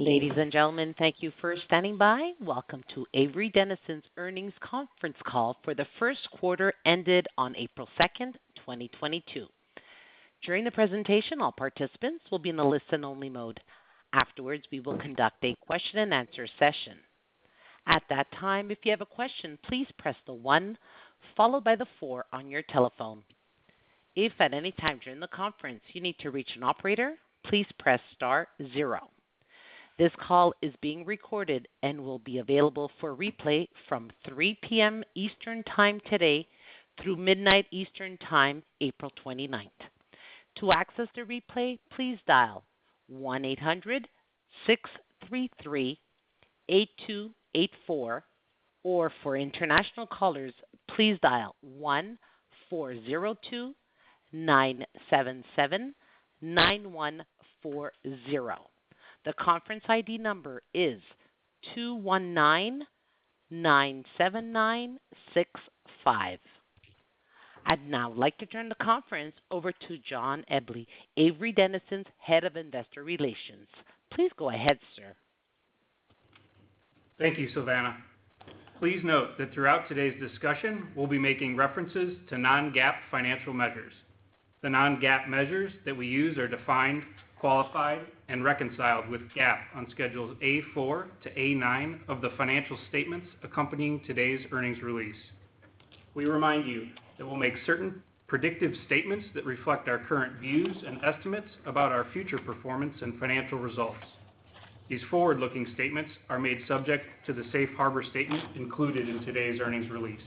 Ladies and gentlemen, thank you for standing by. Welcome to Avery Dennison's earnings conference call for the first quarter ended on April 2, 2022. During the presentation, all participants will be in the listen-only mode. Afterwards we will conduct a question and answer session. At that time, if you have a question, please press the one followed by the four on your telephone. If at any time during the conference you need to reach an operator, please press star zero. This call is being recorded and will be available for replay from 3 P.M. Eastern time today through midnight Eastern time, April 29. To access the replay, please dial 1-800-633-8284, or for international callers, please dial 1-402-977-9140. The conference ID number is 21997965. I'd now like to turn the conference over to John Eble, Avery Dennison's Head of Investor Relations. Please go ahead, sir. Thank you, Savannah. Please note that throughout today's discussion, we'll be making references to non-GAAP financial measures. The non-GAAP measures that we use are defined, qualified, and reconciled with GAAP on schedules A-4 to A-9 of the financial statements accompanying today's earnings release. We remind you that we'll make certain predictive statements that reflect our current views and estimates about our future performance and financial results. These forward-looking statements are made subject to the safe harbor statement included in today's earnings release.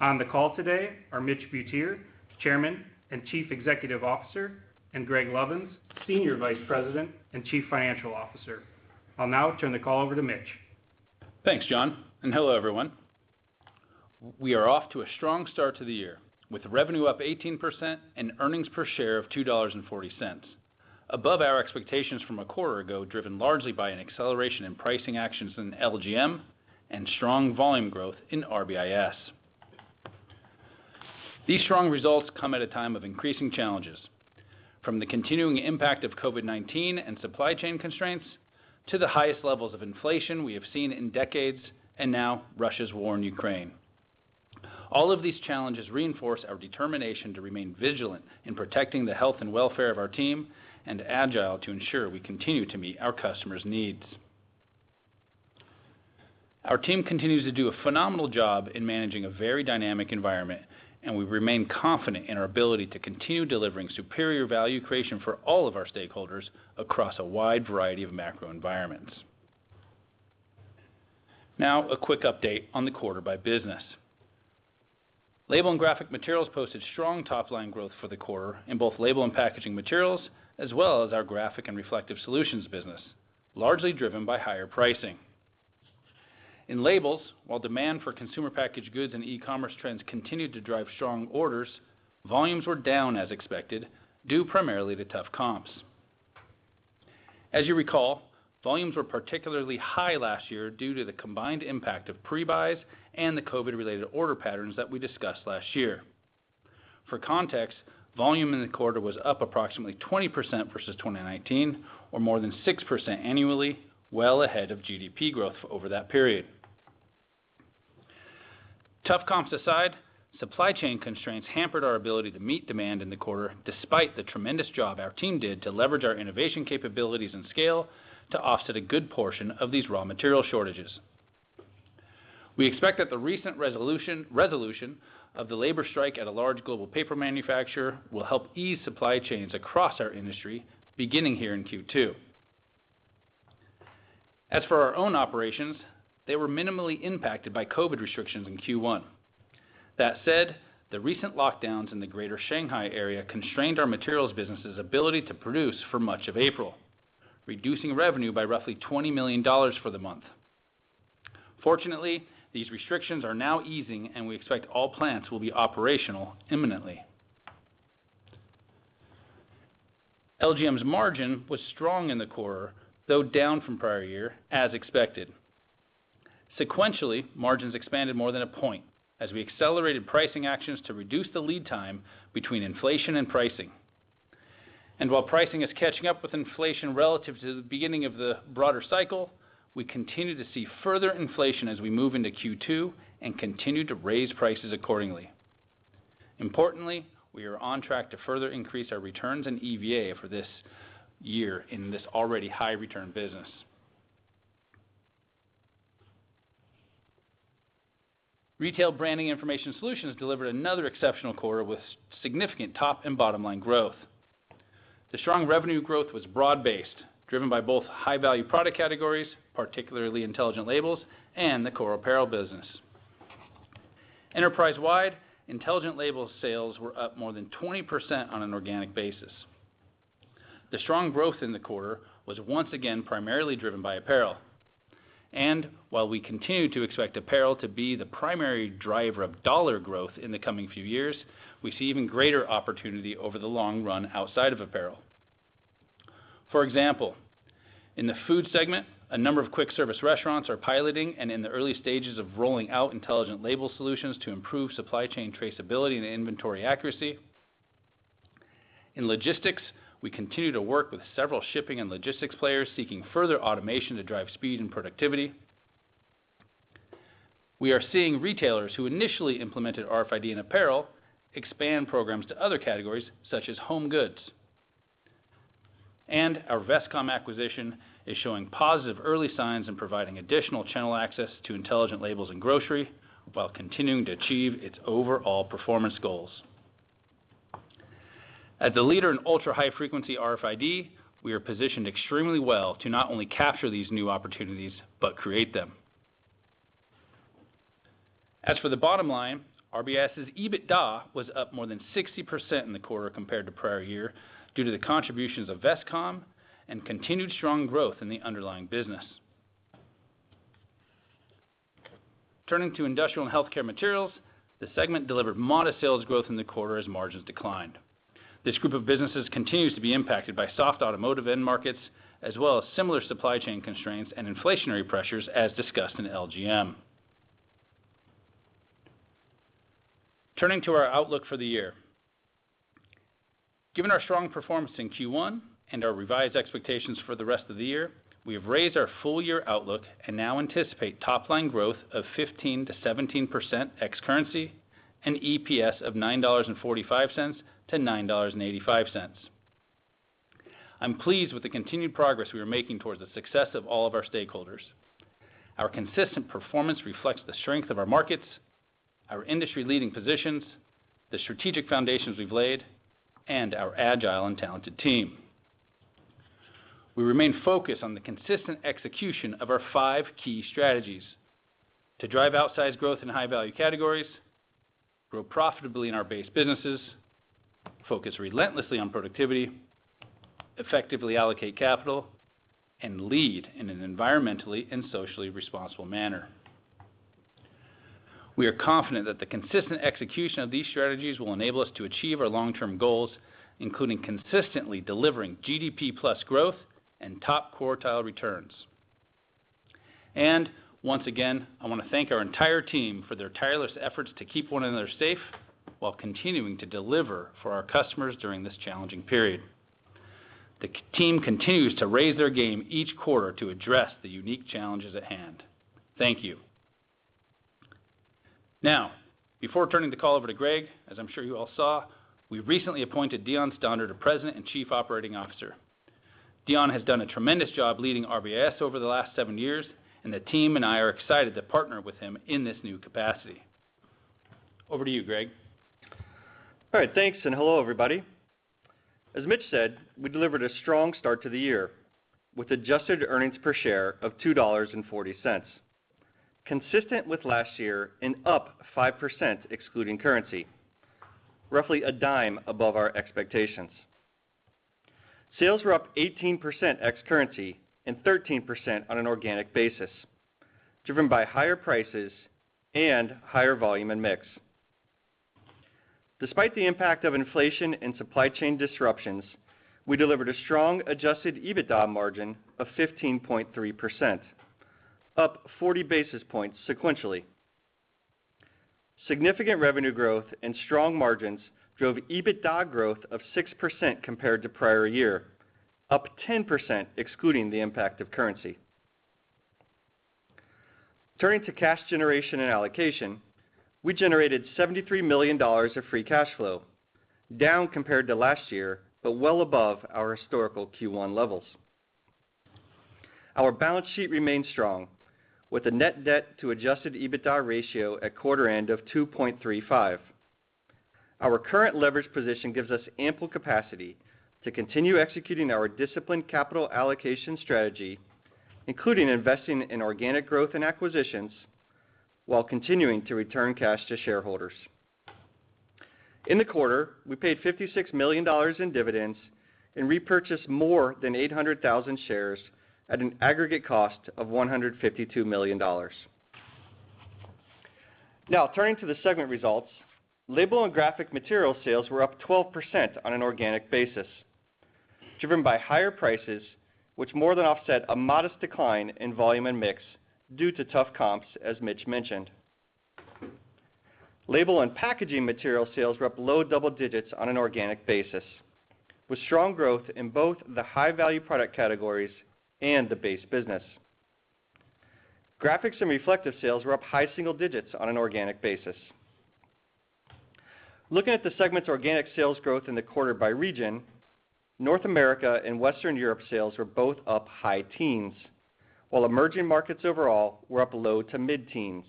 On the call today are Mitch Butier, Chairman and Chief Executive Officer, and Greg Lovins, Senior Vice President and Chief Financial Officer. I'll now turn the call over to Mitch. Thanks, John, and hello, everyone. We are off to a strong start to the year, with revenue up 18% and earnings per share of $2.40, above our expectations from a quarter ago, driven largely by an acceleration in pricing actions in LGM and strong volume growth in RBIS. These strong results come at a time of increasing challenges, from the continuing impact of COVID-19 and supply chain constraints to the highest levels of inflation we have seen in decades, and now Russia's war in Ukraine. All of these challenges reinforce our determination to remain vigilant in protecting the health and welfare of our team and agile to ensure we continue to meet our customers' needs. Our team continues to do a phenomenal job in managing a very dynamic environment, and we remain confident in our ability to continue delivering superior value creation for all of our stakeholders across a wide variety of macro environments. Now a quick update on the quarter by business. Label and Graphic Materials posted strong top line growth for the quarter in both label and packaging materials, as well as our graphic and reflective solutions business, largely driven by higher pricing. In labels, while demand for consumer packaged goods and e-commerce trends continued to drive strong orders, volumes were down as expected, due primarily to tough comps. As you recall, volumes were particularly high last year due to the combined impact of pre-buys and the COVID-related order patterns that we discussed last year. For context, volume in the quarter was up approximately 20% versus 2019 or more than 6% annually, well ahead of GDP growth over that period. Tough comps aside, supply chain constraints hampered our ability to meet demand in the quarter despite the tremendous job our team did to leverage our innovation capabilities and scale to offset a good portion of these raw material shortages. We expect that the recent resolution of the labor strike at a large global paper manufacturer will help ease supply chains across our industry beginning here in Q2. As for our own operations, they were minimally impacted by COVID restrictions in Q1. That said, the recent lockdowns in the greater Shanghai area constrained our materials business's ability to produce for much of April, reducing revenue by roughly $20 million for the month. Fortunately, these restrictions are now easing, and we expect all plants will be operational imminently. LGM's margin was strong in the quarter, though down from prior year as expected. Sequentially, margins expanded more than a point as we accelerated pricing actions to reduce the lead time between inflation and pricing. While pricing is catching up with inflation relative to the beginning of the broader cycle, we continue to see further inflation as we move into Q2 and continue to raise prices accordingly. Importantly, we are on track to further increase our returns in EVA for this year in this already high return business. Retail Branding and Information Solutions delivered another exceptional quarter with significant top and bottom line growth. The strong revenue growth was broad-based, driven by both high-value product categories, particularly Intelligent Labels and the core apparel business. Enterprise-wide, Intelligent Labels sales were up more than 20% on an organic basis. The strong growth in the quarter was once again primarily driven by apparel. While we continue to expect apparel to be the primary driver of dollar growth in the coming few years, we see even greater opportunity over the long run outside of apparel. For example, in the food segment, a number of quick service restaurants are piloting and in the early stages of rolling out Intelligent Labels solutions to improve supply chain traceability and inventory accuracy. In logistics, we continue to work with several shipping and logistics players seeking further automation to drive speed and productivity. We are seeing retailers who initially implemented RFID in apparel expand programs to other categories, such as home goods. Our Vestcom acquisition is showing positive early signs and providing additional channel access to Intelligent Labels and grocery while continuing to achieve its overall performance goals. As the leader in ultra-high frequency RFID, we are positioned extremely well to not only capture these new opportunities but create them. As for the bottom line, RBIS's EBITDA was up more than 60% in the quarter compared to prior year due to the contributions of Vestcom and continued strong growth in the underlying business. Turning to Industrial and Healthcare Materials, the segment delivered modest sales growth in the quarter as margins declined. This group of businesses continues to be impacted by soft automotive end markets as well as similar supply chain constraints and inflationary pressures as discussed in LGM. Turning to our outlook for the year. Given our strong performance in Q1 and our revised expectations for the rest of the year, we have raised our full year outlook and now anticipate top line growth of 15%-17% ex-currency and EPS of $9.45-$9.85. I'm pleased with the continued progress we are making towards the success of all of our stakeholders. Our consistent performance reflects the strength of our markets, our industry-leading positions, the strategic foundations we've laid, and our agile and talented team. We remain focused on the consistent execution of our five key strategies, to drive outsized growth in high-value categories, grow profitably in our base businesses, focus relentlessly on productivity, effectively allocate capital, and lead in an environmentally and socially responsible manner. We are confident that the consistent execution of these strategies will enable us to achieve our long-term goals, including consistently delivering GDP plus growth and top quartile returns. Once again, I want to thank our entire team for their tireless efforts to keep one another safe while continuing to deliver for our customers during this challenging period. The team continues to raise their game each quarter to address the unique challenges at hand. Thank you. Now, before turning the call over to Greg, as I'm sure you all saw, we recently appointed Deon Stander to President and Chief Operating Officer. Deon has done a tremendous job leading RBIS over the last seven years, and the team and I are excited to partner with him in this new capacity. Over to you, Greg. All right. Thanks, and hello, everybody. As Mitch said, we delivered a strong start to the year with adjusted earnings per share of $2.40, consistent with last year and up 5% excluding currency, roughly $0.10 above our expectations. Sales were up 18% ex-currency and 13% on an organic basis, driven by higher prices and higher volume and mix. Despite the impact of inflation and supply chain disruptions, we delivered a strong adjusted EBITDA margin of 15.3%, up 40 basis points sequentially. Significant revenue growth and strong margins drove EBITDA growth of 6% compared to prior year, up 10% excluding the impact of currency. Turning to cash generation and allocation, we generated $73 million of free cash flow, down compared to last year, but well above our historical Q1 levels. Our balance sheet remains strong with a net debt to adjusted EBITDA ratio at quarter end of 2.35. Our current leverage position gives us ample capacity to continue executing our disciplined capital allocation strategy, including investing in organic growth and acquisitions while continuing to return cash to shareholders. In the quarter, we paid $56 million in dividends and repurchased more than 800,000 shares at an aggregate cost of $152 million. Now, turning to the segment results. Label and Graphic Materials sales were up 12% on an organic basis, driven by higher prices, which more than offset a modest decline in volume and mix due to tough comps, as Mitch mentioned. Label and Packaging Materials sales were up low double digits on an organic basis, with strong growth in both the high-value product categories and the base business. Graphics and reflective sales were up high single digits on an organic basis. Looking at the segment's organic sales growth in the quarter by region, North America and Western Europe sales were both up high teens, while emerging markets overall were up low to mid-teens.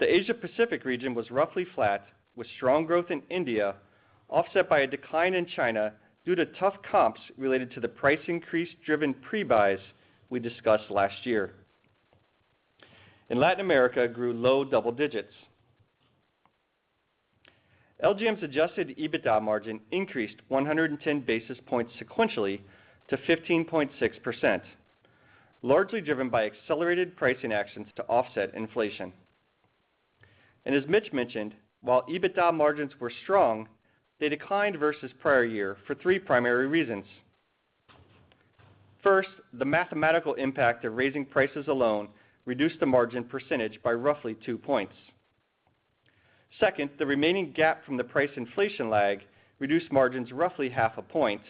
The Asia Pacific region was roughly flat, with strong growth in India offset by a decline in China due to tough comps related to the price increase-driven pre-buys we discussed last year. Latin America grew low double digits. LGM's adjusted EBITDA margin increased 110 basis points sequentially to 15.6%, largely driven by accelerated pricing actions to offset inflation. As Mitch mentioned, while EBITDA margins were strong, they declined versus prior year for three primary reasons. First, the mathematical impact of raising prices alone reduced the margin percentage by roughly 2 points. Second, the remaining gap from the price inflation lag reduced margins roughly half a point.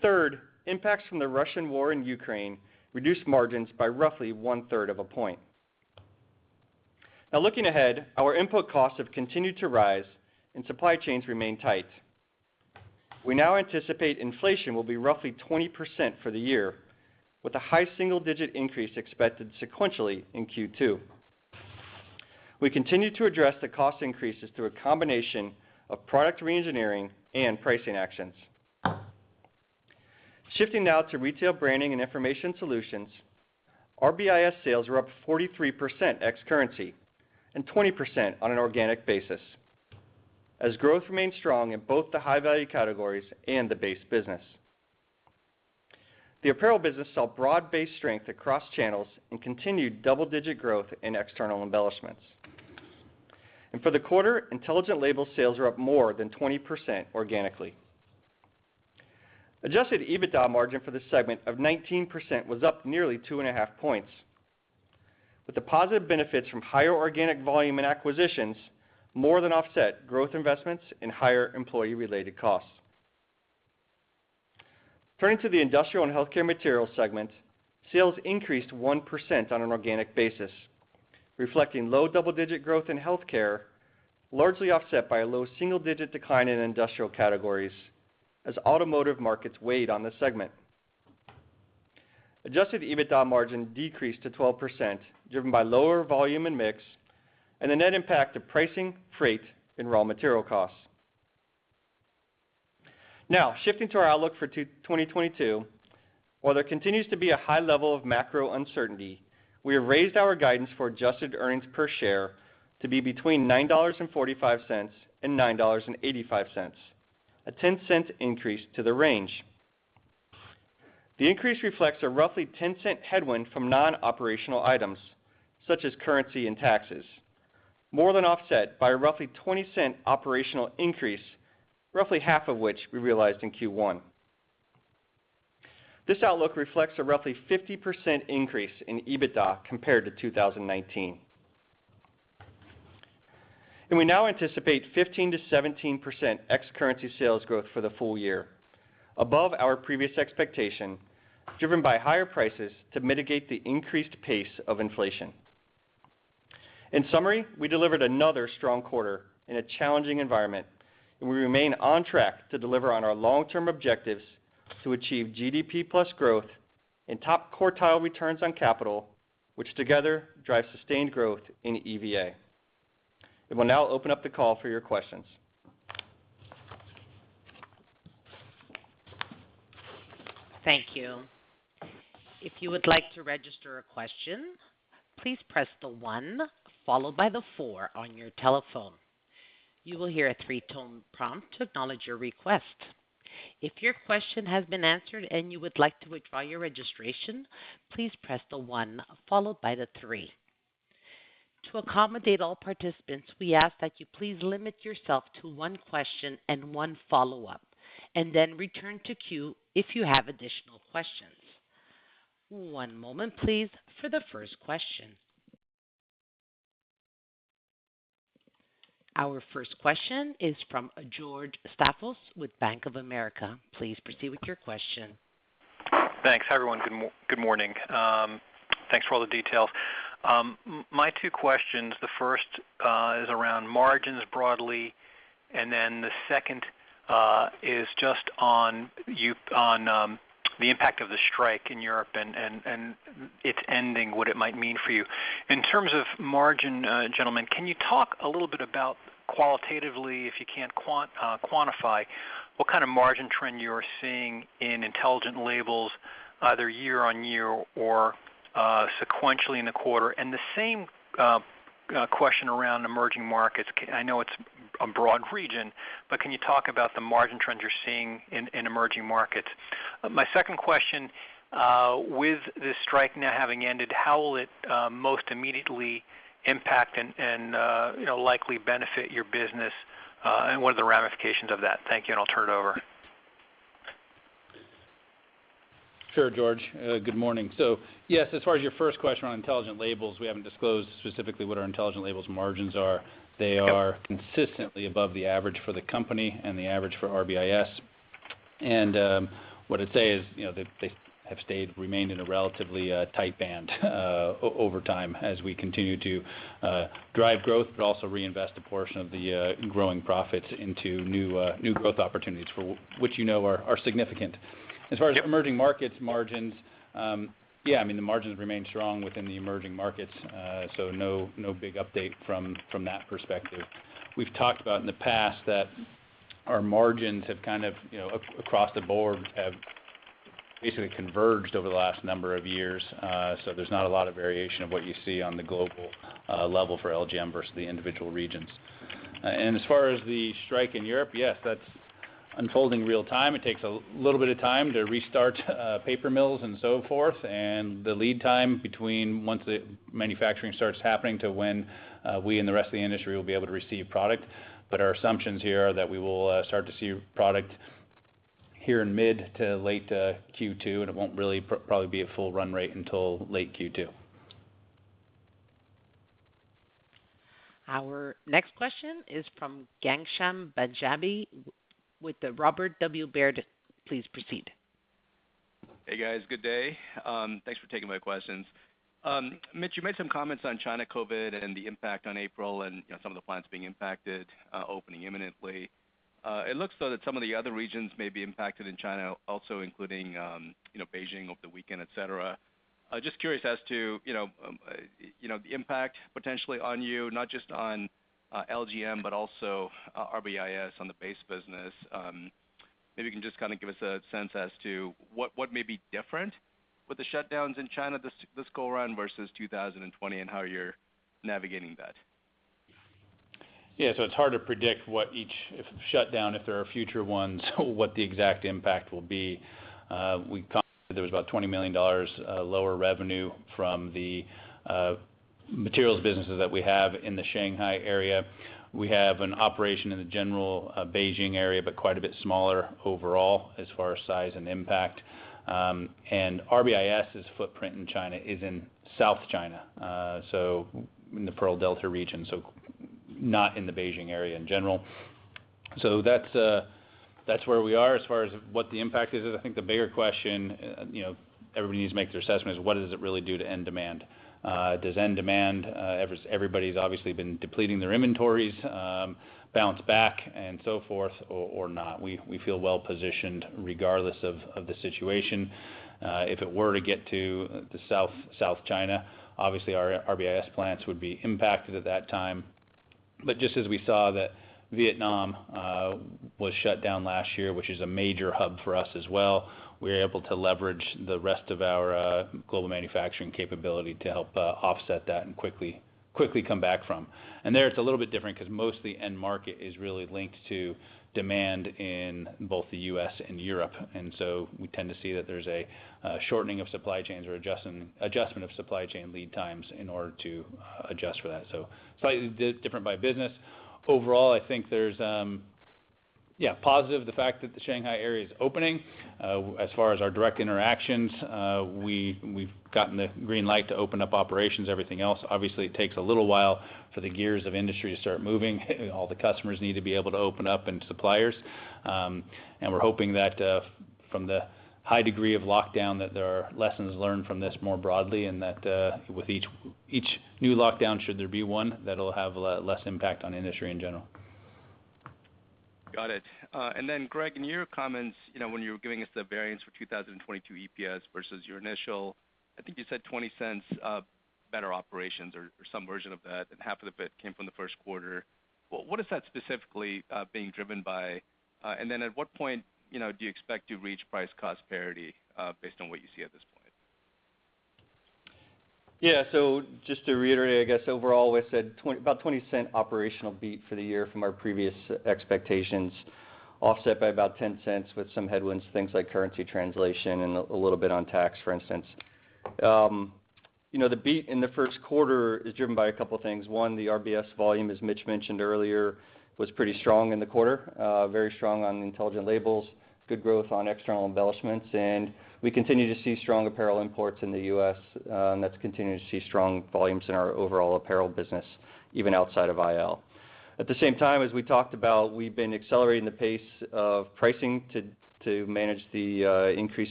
Third, impacts from the Russian war in Ukraine reduced margins by roughly 1/3 of a point. Now looking ahead, our input costs have continued to rise and supply chains remain tight. We now anticipate inflation will be roughly 20% for the year, with a high single-digit increase expected sequentially in Q2. We continue to address the cost increases through a combination of product reengineering and pricing actions. Shifting now to Retail Branding and Information Solutions. RBIS sales were up 43% ex-currency and 20% on an organic basis, as growth remained strong in both the high-value categories and the base business. The apparel business saw broad-based strength across channels and continued double-digit growth in external embellishments. For the quarter, Intelligent Label sales were up more than 20% organically. Adjusted EBITDA margin for the segment of 19% was up nearly 2.5 points, with the positive benefits from higher organic volume and acquisitions more than offset growth investments and higher employee-related costs. Turning to the Industrial and Healthcare Materials segment, sales increased 1% on an organic basis, reflecting low double-digit growth in healthcare, largely offset by a low single-digit decline in industrial categories as automotive markets weighed on the segment. Adjusted EBITDA margin decreased to 12%, driven by lower volume and mix and the net impact of pricing, freight, and raw material costs. Now, shifting to our outlook for 2022. While there continues to be a high level of macro uncertainty, we have raised our guidance for adjusted earnings per share to be between $9.45 and $9.85, a $0.10 increase to the range. The increase reflects a roughly $0.10 headwind from non-operational items, such as currency and taxes, more than offset by a roughly $0.20 operational increase, roughly half of which we realized in Q1. This outlook reflects a roughly 50% increase in EBITDA compared to 2019. We now anticipate 15%-17% ex-currency sales growth for the full year, above our previous expectation, driven by higher prices to mitigate the increased pace of inflation. In summary, we delivered another strong quarter in a challenging environment, and we remain on track to deliver on our long-term objectives to achieve GDP plus growth and top quartile returns on capital, which together drive sustained growth in EVA. We'll now open up the call for your questions. Thank you. If you would like to register a question, please press the one followed by the four on your telephone. You will hear a three-tone prompt to acknowledge your request. If your question has been answered and you would like to withdraw your registration, please press the one followed by the three. To accommodate all participants, we ask that you please limit yourself to one question and one follow-up, and then return to queue if you have additional questions. One moment, please, for the first question. Our first question is from George Staphos with Bank of America. Please proceed with your question. Thanks. Hi, everyone. Good morning. Thanks for all the details. My two questions, the first is around margins broadly, and then the second is just on the impact of the strike in Europe and it ending, what it might mean for you. In terms of margin, gentlemen, can you talk a little bit about qualitatively, if you can't quantify, what kind of margin trend you're seeing in Intelligent Labels, either year-over-year or sequentially in the quarter? The same question around emerging markets. I know it's a broad region, but can you talk about the margin trends you're seeing in emerging markets? My second question, with the strike now having ended, how will it most immediately impact and you know likely benefit your business, and what are the ramifications of that? Thank you, and I'll turn it over. Sure, George. Good morning. Yes, as far as your first question on Intelligent Labels, we haven't disclosed specifically what our Intelligent Labels margins are. Yep. They are consistently above the average for the company and the average for RBIS. What I'd say is, you know, they have stayed, remained in a relatively tight band over time as we continue to drive growth, but also reinvest a portion of the growing profits into new growth opportunities, for which, you know, are significant. Yep. As far as emerging markets margins, yeah, I mean, the margins remain strong within the emerging markets, so no big update from that perspective. We've talked about in the past that our margins have kind of, you know, across the board, have basically converged over the last number of years, so there's not a lot of variation of what you see on the global level for LGM versus the individual regions. As far as the strike in Europe, yes, that's unfolding real time. It takes a little bit of time to restart paper mills and so forth, and the lead time between once the manufacturing starts happening to when we and the rest of the industry will be able to receive product. Our assumptions here are that we will start to see product here in mid- to late Q2, and it won't really probably be at full run rate until late Q2. Our next question is from Ghansham Panjabi with the Robert W. Baird. Please proceed. Hey, guys. Good day. Thanks for taking my questions. Mitch, you made some comments on China COVID-19 and the impact on April and, you know, some of the plants being impacted, opening imminently. It looks though that some of the other regions may be impacted in China also, including, you know, Beijing over the weekend, et cetera. Just curious as to, you know, the impact potentially on you, not just on LGM, but also RBIS on the base business. Maybe you can just kind of give us a sense as to what may be different with the shutdowns in China this go around versus 2020, and how you're navigating that. Yeah. It's hard to predict what each, if shutdown, if there are future ones, what the exact impact will be.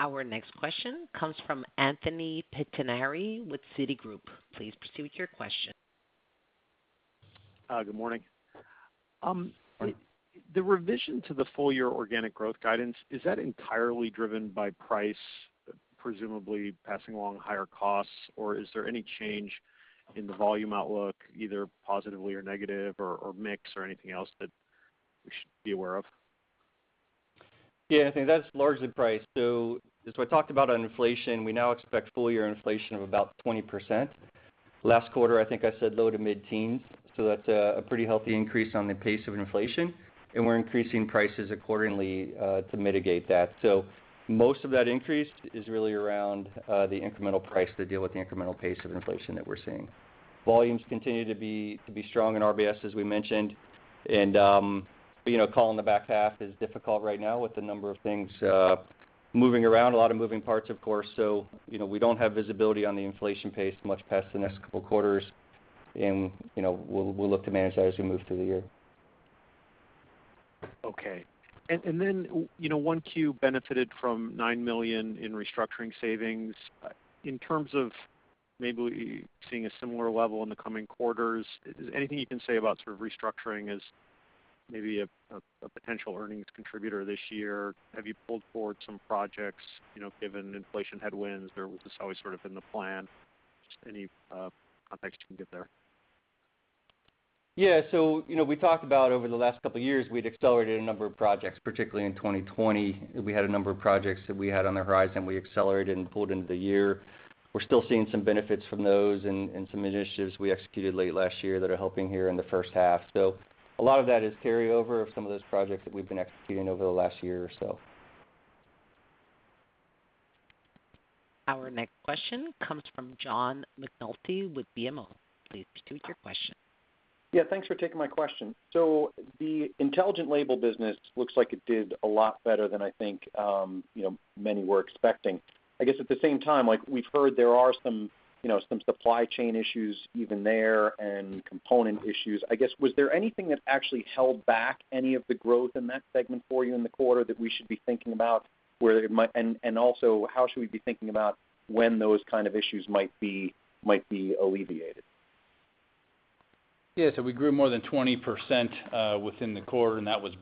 Our next question comes from Anthony Pettinari with Citigroup. Please proceed with your question. Good morning. The revision to the full year organic growth guidance, is that entirely driven by price, presumably passing along higher costs? Or is there any change in the volume outlook, either positively or negative or mix or anything else that we should be aware of? Yeah, I think that's largely price. As I talked about on inflation, we now expect full-year inflation of about 20%. Last quarter, I think I said low- to mid-teens%, so that's a pretty healthy increase on the pace of inflation, and we're increasing prices accordingly to mitigate that. Most of that increase is really around the incremental price to deal with the incremental pace of inflation that we're seeing. Volumes continue to be strong in RBIS, as we mentioned. You know, calling the back half is difficult right now with the number of things moving around, a lot of moving parts, of course. You know, we don't have visibility on the inflation pace much past the next couple quarters and we'll look to manage that as we move through the year. Okay. Then, you know, 1Q benefited from $9 million in restructuring savings. In terms of maybe seeing a similar level in the coming quarters, is there anything you can say about sort of restructuring as maybe a potential earnings contributor this year? Have you pulled forward some projects, you know, given inflation headwinds, or was this always sort of in the plan? Just any context you can give there. Yeah. You know, we talked about over the last couple years, we'd accelerated a number of projects, particularly in 2020. We had a number of projects that we had on the horizon, we accelerated and pulled into the year. We're still seeing some benefits from those and some initiatives we executed late last year that are helping here in the first half. A lot of that is carryover of some of those projects that we've been executing over the last year or so. Our next question comes from John McNulty with BMO. Please proceed with your question. Yeah, thanks for taking my question. The Intelligent Labels business looks like it did a lot better than I think, you know, many were expecting. I guess at the same time, like we've heard there are some, you know, some supply chain issues even there and component issues. I guess, was there anything that actually held back any of the growth in that segment for you in the quarter that we should be thinking about where it might, and also, how should we be thinking about when those kind of issues might be alleviated? Yeah, we grew more than 20% within the quarter, and that was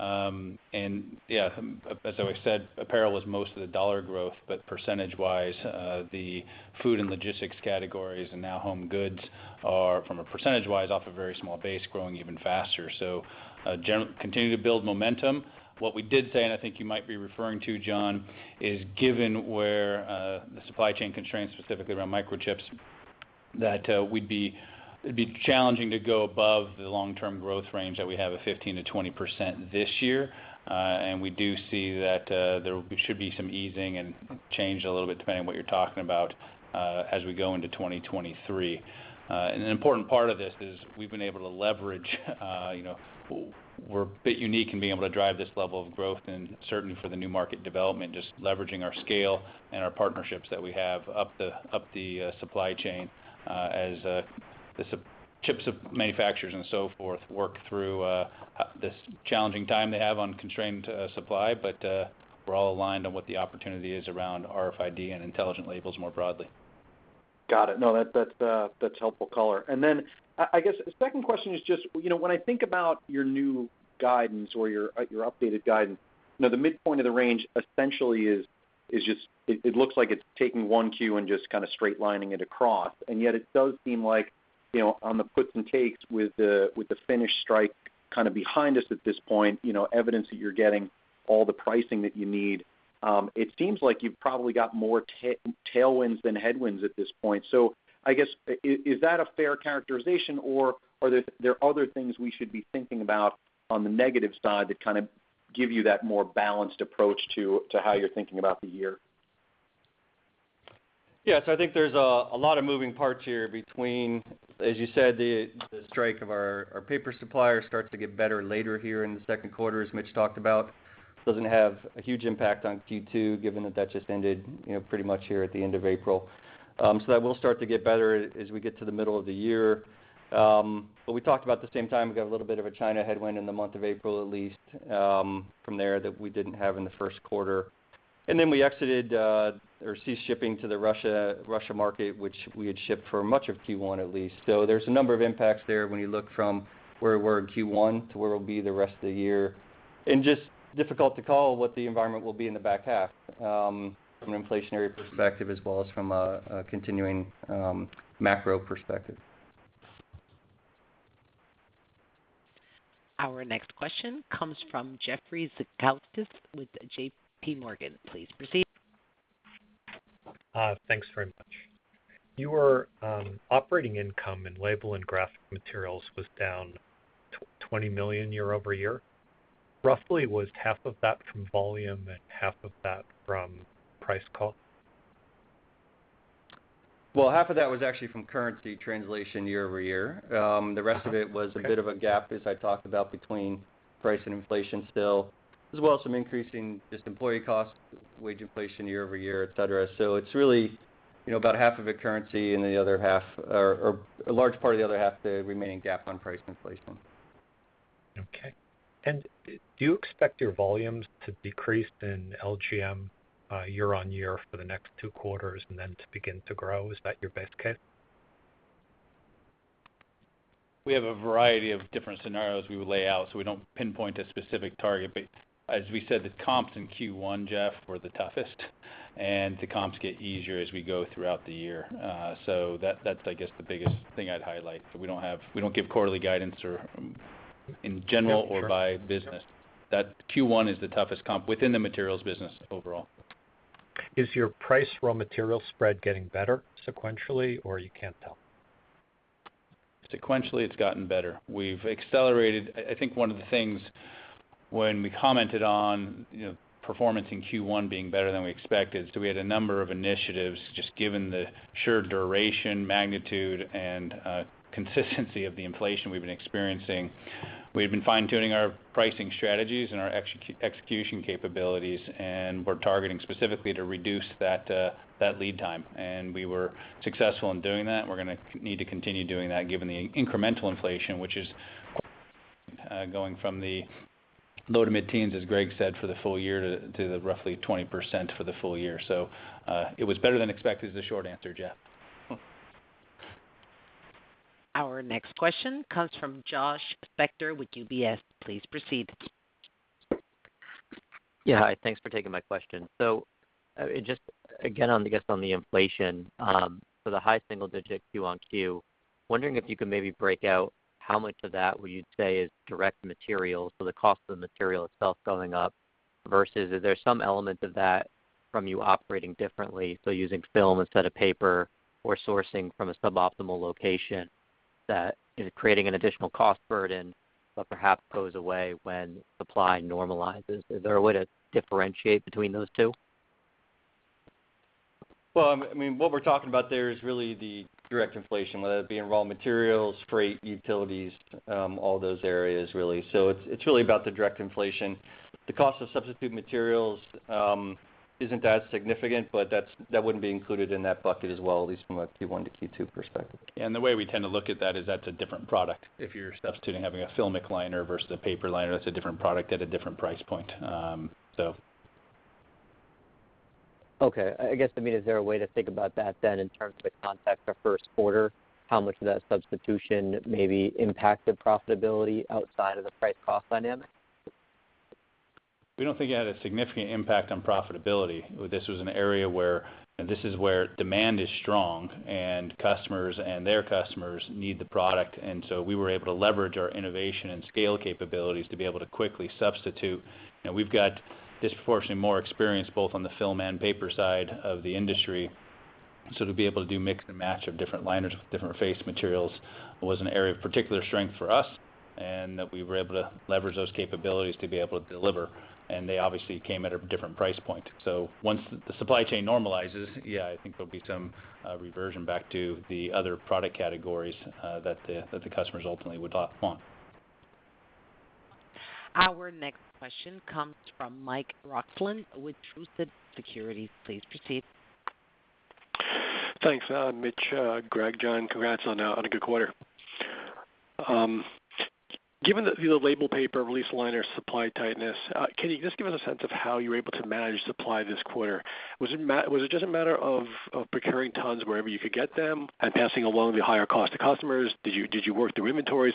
broad-based. Yeah, as I said, apparel was most of the dollar growth, but percentage-wise, the food and logistics categories and now home goods are, from a percentage-wise, off a very small base growing even faster. Continue to build momentum. What we did say, and I think you might be referring to, John, is given where the supply chain constraints, specifically around microchips, that it'd be challenging to go above the long-term growth range that we have of 15%-20% this year. We do see that there should be some easing and change a little bit depending on what you're talking about, as we go into 2023. An important part of this is we've been able to leverage, you know, we're a bit unique in being able to drive this level of growth and certainly for the new market development, just leveraging our scale and our partnerships that we have up the supply chain, as the chip manufacturers and so forth work through this challenging time they have on constrained supply. But we're all aligned on what the opportunity is around RFID and Intelligent Labels more broadly. Got it. No, that's helpful color. Then I guess the second question is just, you know, when I think about your new guidance or your updated guidance, you know, the midpoint of the range essentially is just. It looks like it's taking one Q and just kind of straight lining it across. Yet it does seem like, you know, on the puts and takes with the finished strike kind of behind us at this point, you know, evidence that you're getting all the pricing that you need. It seems like you've probably got more tailwinds than headwinds at this point. I guess, is that a fair characterization or are there other things we should be thinking about on the negative side that kind of give you that more balanced approach to how you're thinking about the year? Yeah. I think there's a lot of moving parts here between, as you said, the strike of our paper supplier starts to get better later here in the second quarter, as Mitch talked about. It doesn't have a huge impact on Q2, given that it just ended, you know, pretty much here at the end of April. That will start to get better as we get to the middle of the year. At the same time, we got a little bit of a China headwind in the month of April, at least, from there that we didn't have in the first quarter. Then we exited or ceased shipping to the Russia market, which we had shipped for much of Q1 at least. There's a number of impacts there when you look from where we're in Q1 to where we'll be the rest of the year. It's just difficult to call what the environment will be in the back half, from an inflationary perspective as well as from a continuing macro perspective. Our next question comes from Jeffrey Zekauskas with JPMorgan. Please proceed. Thanks very much. Your operating income in Label and Graphic Materials was down $20 million year-over-year. Roughly was half of that from volume and half of that from price call? Well, half of that was actually from currency translation year over year. The rest of it was a bit of a gap, as I talked about, between price and inflation still, as well as some increasing just employee costs, wage inflation year over year, et cetera. It's really, you know, about half of it currency and the other half or a large part of the other half, the remaining gap on price inflation. Okay. Do you expect your volumes to decrease in LGM year-over-year for the next two quarters and then to begin to grow? Is that your best case? We have a variety of different scenarios we would lay out, so we don't pinpoint a specific target. As we said, the comps in Q1, Jeff, were the toughest, and the comps get easier as we go throughout the year. That's I guess the biggest thing I'd highlight. We don't give quarterly guidance or in general or by business. That Q1 is the toughest comp within the materials business overall. Is your price raw material spread getting better sequentially, or you can't tell? Sequentially, it's gotten better. We've accelerated. I think one of the things when we commented on, you know, performance in Q1 being better than we expected, so we had a number of initiatives just given the sheer duration, magnitude, and consistency of the inflation we've been experiencing. We've been fine-tuning our pricing strategies and our execution capabilities, and we're targeting specifically to reduce that lead time. We were successful in doing that. We're gonna need to continue doing that given the incremental inflation, which is going from the low to mid-teens, as Greg said, for the full year to the roughly 20% for the full year. It was better than expected is the short answer, Jeff. Our next question comes from Josh Spector with UBS. Please proceed. Yeah. Hi, thanks for taking my question. Just again on the, I guess, on the inflation, for the high single digit Q-on-Q, wondering if you could maybe break out how much of that would you say is direct materials, so the cost of the material itself going up, versus is there some element of that from you operating differently, so using film instead of paper or sourcing from a suboptimal location that is creating an additional cost burden, but perhaps goes away when supply normalizes? Is there a way to differentiate between those two? Well, I mean, what we're talking about there is really the direct inflation, whether that be raw materials, freight, utilities, all those areas really. It's really about the direct inflation. The cost of substitute materials isn't that significant, but that's wouldn't be included in that bucket as well, at least from a Q1 to Q2 perspective. The way we tend to look at that is that's a different product. If you're substituting having a filmic liner versus a paper liner, that's a different product at a different price point. So. Okay. I guess, I mean, is there a way to think about that then in terms of the context of first quarter, how much of that substitution maybe impacted profitability outside of the price cost dynamic? We don't think it had a significant impact on profitability. This was an area where demand is strong, and customers and their customers need the product. We were able to leverage our innovation and scale capabilities to be able to quickly substitute. You know, we've got disproportionately more experience, both on the film and paper side of the industry. To be able to do mix and match of different liners with different face materials was an area of particular strength for us, and that we were able to leverage those capabilities to be able to deliver. They obviously came at a different price point. Once the supply chain normalizes, yeah, I think there'll be some reversion back to the other product categories that the customers ultimately would want. Our next question comes from Mike Roxland with Truist Securities. Please proceed. Thanks, Mitch, Greg, John. Congrats on a good quarter. Given the label paper release liner supply tightness, can you just give us a sense of how you were able to manage supply this quarter? Was it just a matter of procuring tons wherever you could get them and passing along the higher cost to customers? Did you work through inventories?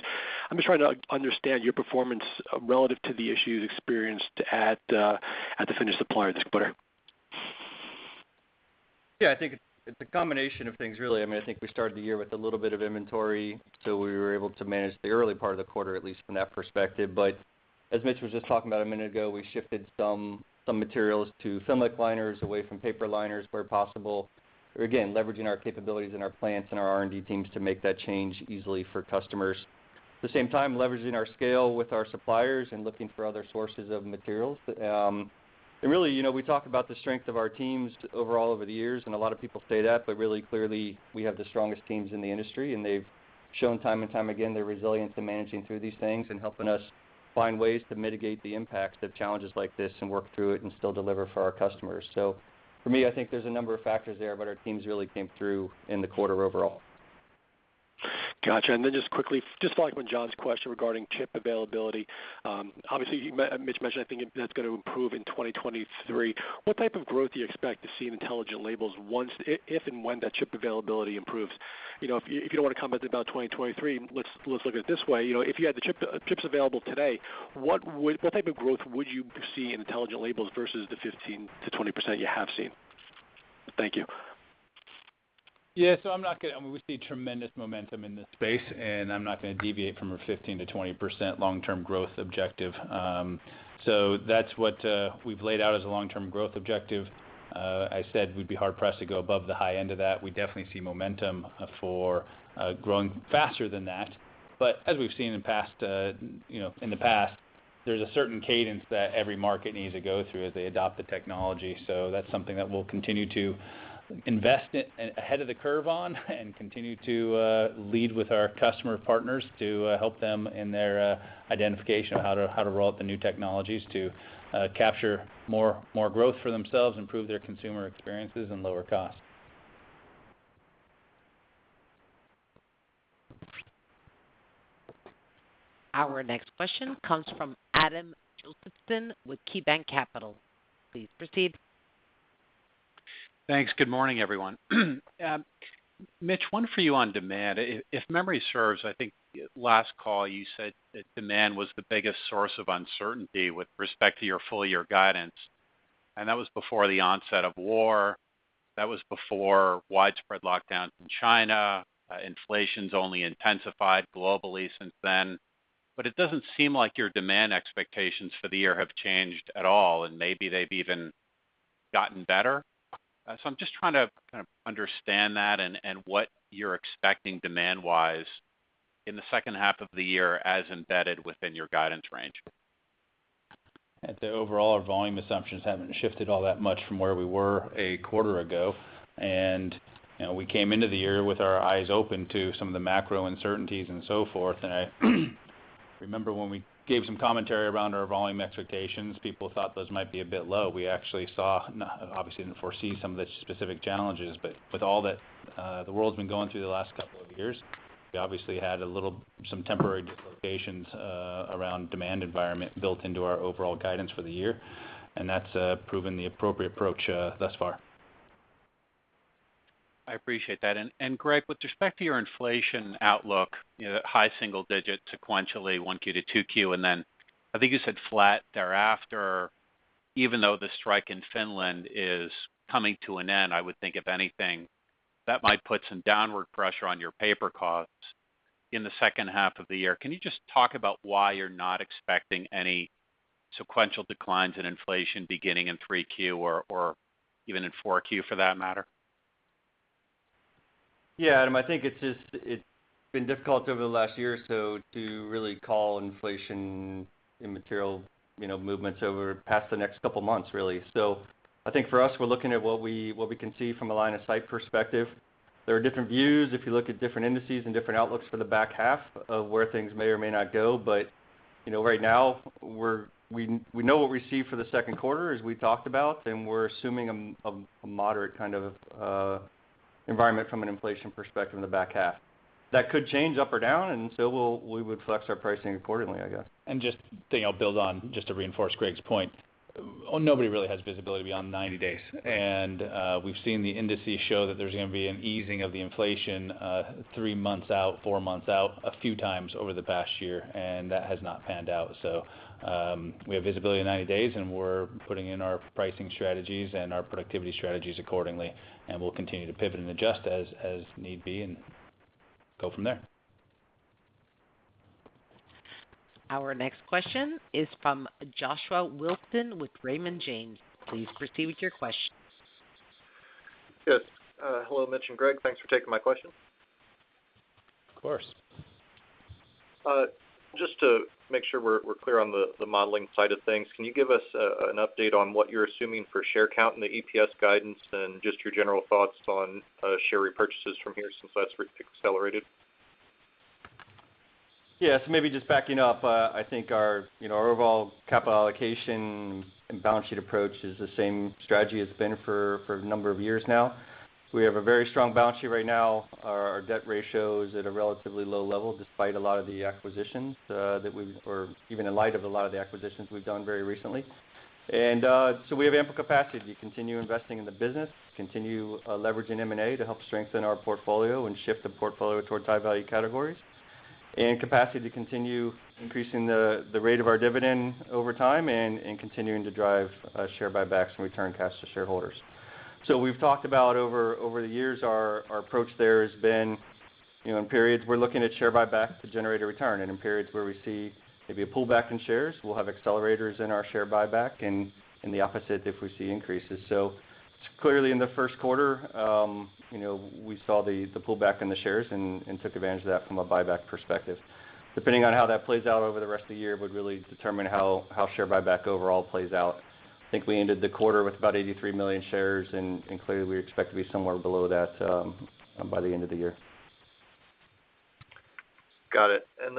I'm just trying to understand your performance relative to the issues experienced at the finished supplier this quarter. Yeah. I think it's a combination of things, really. I mean, I think we started the year with a little bit of inventory, so we were able to manage the early part of the quarter, at least from that perspective. As Mitch was just talking about a minute ago, we shifted some materials to filmic liners away from paper liners where possible. Again, leveraging our capabilities in our plants and our R&D teams to make that change easily for customers. At the same time, leveraging our scale with our suppliers and looking for other sources of materials. Really, you know, we talk about the strength of our teams overall over the years, and a lot of people say that, but really clearly, we have the strongest teams in the industry, and they've shown time and time again their resilience in managing through these things and helping us find ways to mitigate the impacts of challenges like this and work through it and still deliver for our customers. For me, I think there's a number of factors there, but our teams really came through in the quarter overall. Got you. Then just quickly, just like when John's question regarding chip availability, obviously, you, Mitch mentioned, I think that's gonna improve in 2023. What type of growth do you expect to see in Intelligent Labels once if and when that chip availability improves? You know, if you don't wanna comment about 2023, let's look at it this way. You know, if you had the chip, chips available today, what type of growth would you see in Intelligent Labels versus the 15%-20% you have seen? Thank you. Yeah. I mean, we see tremendous momentum in this space, and I'm not gonna deviate from a 15%-20% long-term growth objective. That's what we've laid out as a long-term growth objective. I said we'd be hard pressed to go above the high end of that. We definitely see momentum for growing faster than that. But as we've seen in the past, there's a certain cadence that every market needs to go through as they adopt the technology. That's something that we'll continue to invest in ahead of the curve on and continue to lead with our customer partners to help them in their identification of how to roll out the new technologies to capture more growth for themselves, improve their consumer experiences and lower costs. Our next question comes from Adam Josephson with KeyBank Capital. Please proceed. Thanks. Good morning, everyone. Mitch, one for you on demand. If memory serves, I think last call, you said that demand was the biggest source of uncertainty with respect to your full year guidance, and that was before the onset of war, that was before widespread lockdowns in China. Inflation's only intensified globally since then. It doesn't seem like your demand expectations for the year have changed at all, and maybe they've even gotten better. I'm just trying to kind of understand that and what you're expecting demand-wise in the second half of the year as embedded within your guidance range. Overall, our volume assumptions haven't shifted all that much from where we were a quarter ago. You know, we came into the year with our eyes open to some of the macro uncertainties and so forth. I remember when we gave some commentary around our volume expectations, people thought those might be a bit low. We actually, obviously didn't foresee some of the specific challenges, but with all that, the world's been going through the last couple of years, we obviously had some temporary dislocations around demand environment built into our overall guidance for the year, and that's proven the appropriate approach thus far. I appreciate that. Greg, with respect to your inflation outlook, you know, that high single digit sequentially, one Q to two Q, and then I think you said flat thereafter, even though the strike in Finland is coming to an end, I would think if anything, that might put some downward pressure on your paper costs in the second half of the year. Can you just talk about why you're not expecting any sequential declines in inflation beginning in three Q or even in four Q for that matter? Yeah, Adam, I think it's just, it's been difficult over the last year or so to really call inflation in material, you know, movements over the past the next couple of months, really. I think for us, we're looking at what we can see from a line of sight perspective. There are different views if you look at different indices and different outlooks for the back half of where things may or may not go. You know, right now, we know what we see for the second quarter as we talked about, and we're assuming a moderate kind of environment from an inflation perspective in the back half. That could change up or down, and so we would flex our pricing accordingly, I guess. You know, to reinforce Greg's point, well, nobody really has visibility beyond 90 days. We've seen the indices show that there's gonna be an easing of the inflation three months out, four months out, a few times over the past year, and that has not panned out. We have visibility of 90 days, and we're putting in our pricing strategies and our productivity strategies accordingly, and we'll continue to pivot and adjust as need be and go from there. Our next question is from Joshua Wilson with Raymond James. Please proceed with your question. Yes. Hello, Mitch and Greg. Thanks for taking my question. Of course. Just to make sure we're clear on the modeling side of things, can you give us an update on what you're assuming for share count in the EPS guidance and just your general thoughts on share repurchases from here since that's accelerated? Yeah. Maybe just backing up. I think our, you know, our overall capital allocation and balance sheet approach is the same strategy it's been for a number of years now. We have a very strong balance sheet right now. Our debt ratio is at a relatively low level despite a lot of the acquisitions or even in light of a lot of the acquisitions we've done very recently. We have ample capacity to continue investing in the business, continue leveraging M&A to help strengthen our portfolio and shift the portfolio towards high-value categories, and capacity to continue increasing the rate of our dividend over time and continuing to drive share buybacks and return cash to shareholders. We've talked about over the years our approach there has been, you know, in periods, we're looking at share buyback to generate a return. In periods where we see maybe a pullback in shares, we'll have accelerators in our share buyback, and the opposite if we see increases. Clearly in the first quarter, you know, we saw the pullback in the shares and took advantage of that from a buyback perspective. Depending on how that plays out over the rest of the year would really determine how share buyback overall plays out. I think we ended the quarter with about 83 million shares, and clearly, we expect to be somewhere below that by the end of the year. Got it. As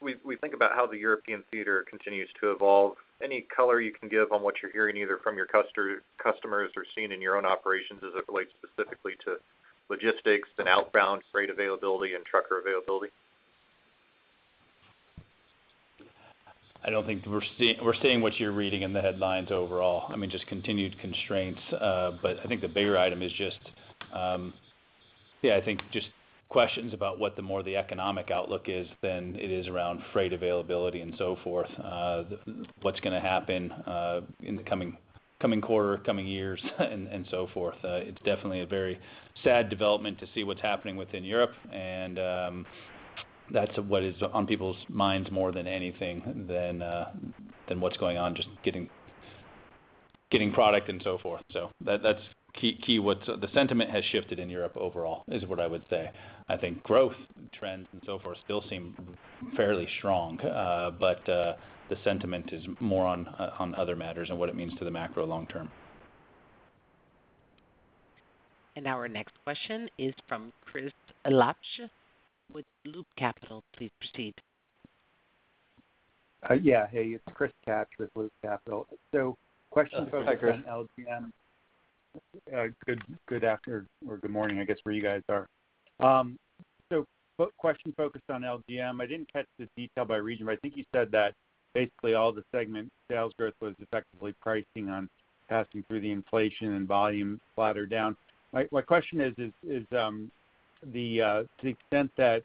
we think about how the European theater continues to evolve, any color you can give on what you're hearing either from your customers or seen in your own operations as it relates specifically to logistics and outbound freight availability and trucker availability? I don't think we're seeing what you're reading in the headlines overall. I mean, just continued constraints. I think the bigger item is just questions about what the economic outlook is more than it is around freight availability and so forth, what's gonna happen in the coming quarter, coming years, and so forth. It's definitely a very sad development to see what's happening within Europe. That's what is on people's minds more than anything than what's going on, just getting product and so forth. That's key. The sentiment has shifted in Europe overall, is what I would say. I think growth trends and so forth still seem fairly strong, but the sentiment is more on other matters and what it means to the macro long term. Our next question is from Chris Kapsch with Loop Capital. Please proceed. Hey, it's Chris Kapsch with Loop Capital. Question focused on LGM. Hi, Chris. Good afternoon or good morning, I guess, where you guys are. Follow-up question focused on LGM. I didn't catch the detail by region, but I think you said that basically all the segment sales growth was effectively pricing or passing through the inflation and volume flat or down. My question is, to the extent that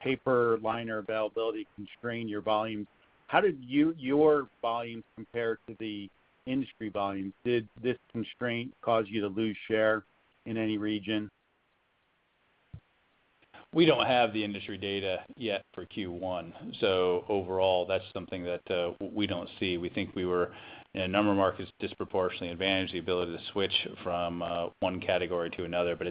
paper liner availability constrains your volume, how did your volumes compare to the industry volumes? Did this constraint cause you to lose share in any region? We don't have the industry data yet for Q1, so overall, that's something that we don't see. We think we were in a number of markets disproportionately advantaged, the ability to switch from one category to another. But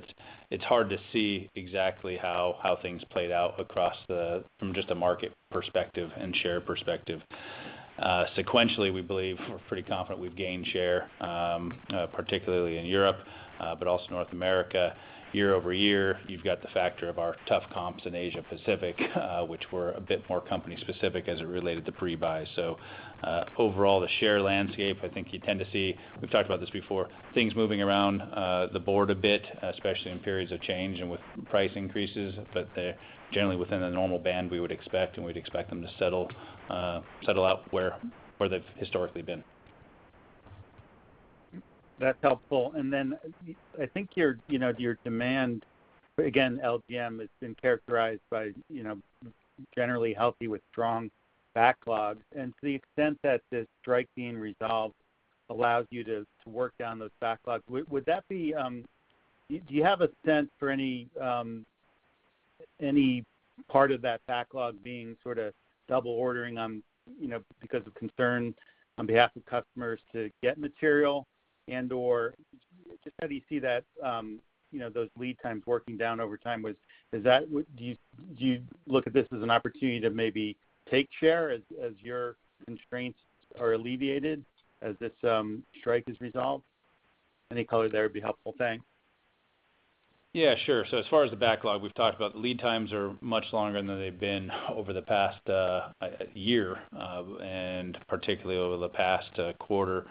it's hard to see exactly how things played out across, from just a market perspective and share perspective. Sequentially, we believe we're pretty confident we've gained share, particularly in Europe, but also North America. Year-over-year, you've got the factor of our tough comps in Asia Pacific, which were a bit more company specific as it related to pre-buy. So overall, the share landscape, I think you tend to see, we've talked about this before, things moving around the board a bit, especially in periods of change and with price increases. They're generally within a normal band we would expect, and we'd expect them to settle out where they've historically been. That's helpful. I think your, you know, your demand, again, LGM has been characterized by, you know, generally healthy with strong backlogs. To the extent that this strike being resolved allows you to work down those backlogs, would that be. Do you have a sense for any part of that backlog being sort of double ordering, you know, because of concern on behalf of customers to get material and/or just how do you see that, you know, those lead times working down over time. Do you look at this as an opportunity to maybe take share as your constraints are alleviated as this strike is resolved? Any color there would be helpful. Thanks. Yeah, sure. As far as the backlog, we've talked about the lead times are much longer than they've been over the past year, and particularly over the past quarter.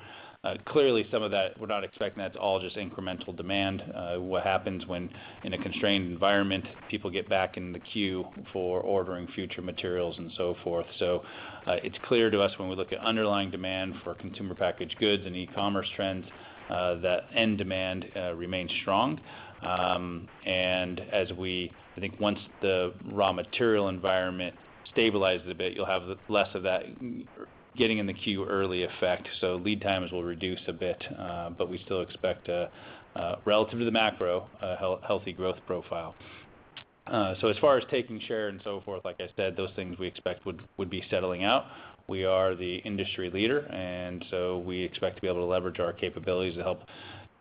Clearly, some of that, we're not expecting that to all just incremental demand. What happens when in a constrained environment, people get back in the queue for ordering future materials and so forth. It's clear to us when we look at underlying demand for consumer packaged goods and e-commerce trends, that end demand remains strong. I think once the raw material environment stabilizes a bit, you'll have less of that getting in the queue early effect. Lead times will reduce a bit, but we still expect, relative to the macro, a healthy growth profile. As far as taking share and so forth, like I said, those things we expect would be settling out. We are the industry leader, and so we expect to be able to leverage our capabilities to help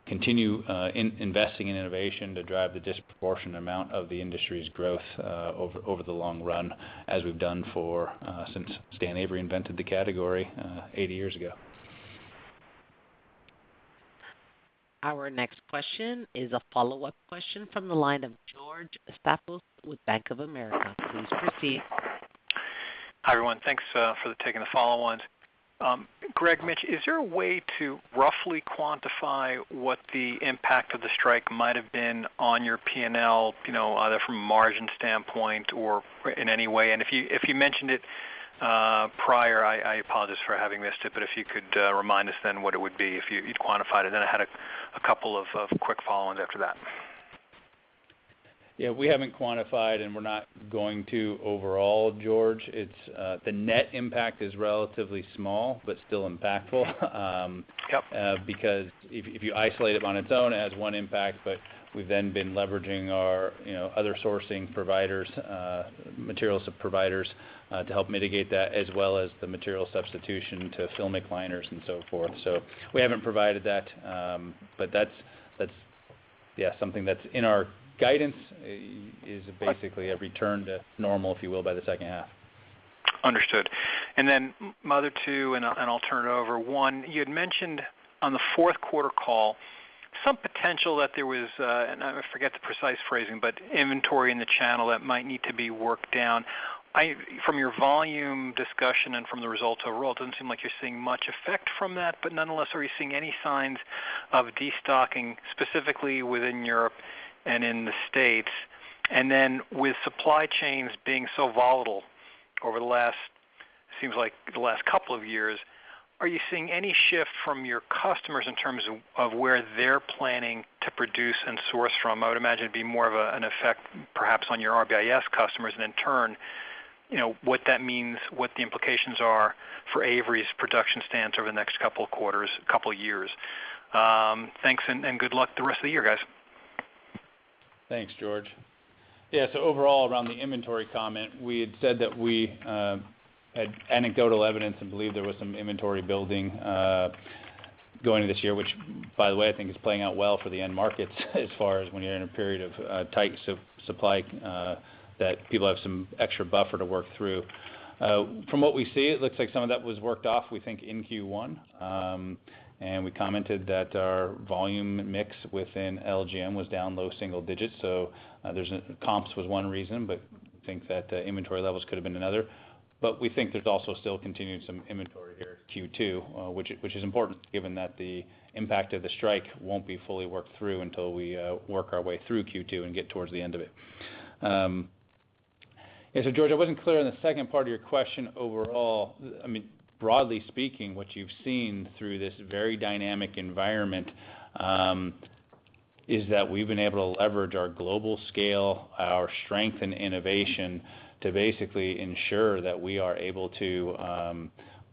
continue investing in innovation to drive the disproportionate amount of the industry's growth over the long run, as we've done since Stan Avery invented the category 80 years ago. Our next question is a follow-up question from the line of George Staphos with Bank of America. Please proceed. Hi, everyone. Thanks for taking the follow on. Greg, Mitch, is there a way to roughly quantify what the impact of the strike might have been on your P&L, you know, either from a margin standpoint or in any way? If you mentioned it prior, I apologize for having missed it, but if you could remind us then what it would be if you'd quantified it. I had a couple of quick follow-ons after that. Yeah, we haven't quantified, and we're not going to overall, George. It's the net impact is relatively small but still impactful. Yep. Because if you isolate it on its own, it has one impact, but we've then been leveraging our, you know, other sourcing providers, materials providers, to help mitigate that, as well as the material substitution to filmic liners and so forth. We haven't provided that, but that's yeah, something that's in our guidance is basically a return to normal, if you will, by the second half. Understood. Then number two, and I'll turn it over. Number one, you had mentioned on the fourth quarter call some potential that there was, and I forget the precise phrasing, but inventory in the channel that might need to be worked down. From your volume discussion and from the results overall, it doesn't seem like you're seeing much effect from that. Nonetheless, are you seeing any signs of destocking specifically within Europe and in the States? Then with supply chains being so volatile over the last couple of years, are you seeing any shift from your customers in terms of where they're planning to produce and source from? I would imagine it'd be more of a, an effect perhaps on your RBIS customers and in turn, you know, what that means, what the implications are for Avery's production stance over the next couple quarters, couple years. Thanks and good luck the rest of the year, guys. Thanks, George. Yeah, so overall, around the inventory comment, we had said that we had anecdotal evidence and believe there was some inventory building going into this year, which by the way, I think is playing out well for the end markets as far as when you're in a period of tight supply that people have some extra buffer to work through. From what we see, it looks like some of that was worked off, we think, in Q1. We commented that our volume mix within LGM was down low single digits. Comps was one reason, but think that inventory levels could have been another. We think there's also still continued some inventory here Q2, which is important given that the impact of the strike won't be fully worked through until we work our way through Q2 and get towards the end of it. George, I wasn't clear on the second part of your question overall. I mean, broadly speaking, what you've seen through this very dynamic environment is that we've been able to leverage our global scale, our strength and innovation to basically ensure that we are able to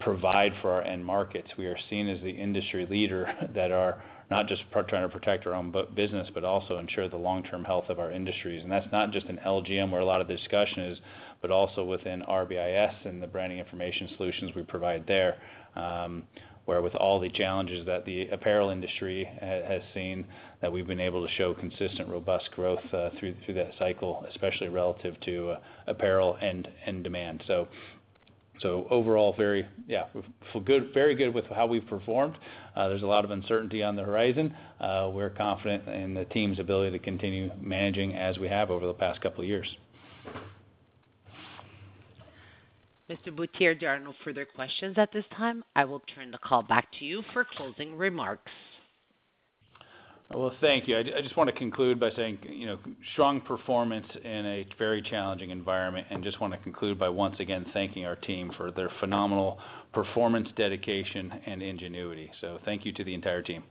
provide for our end markets. We are seen as the industry leader that are not just trying to protect our own business, but also ensure the long-term health of our industries. That's not just in LGM, where a lot of the discussion is, but also within RBIS and the branding information solutions we provide there, where, with all the challenges that the apparel industry has seen, that we've been able to show consistent, robust growth through that cycle, especially relative to apparel and demand. Overall, we feel very good with how we've performed. There's a lot of uncertainty on the horizon. We're confident in the team's ability to continue managing as we have over the past couple of years. Mr. Butier, there are no further questions at this time. I will turn the call back to you for closing remarks. Well, thank you. I just wanna conclude by saying, you know, strong performance in a very challenging environment, and just wanna conclude by once again thanking our team for their phenomenal performance, dedication, and ingenuity. Thank you to the entire team.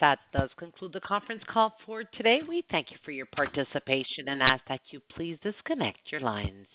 That does conclude the conference call for today. We thank you for your participation and ask that you please disconnect your lines.